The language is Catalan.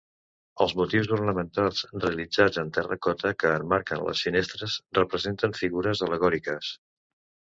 Els motius ornamentals realitzats en terracota que emmarquen les finestres representen figures al·legòriques.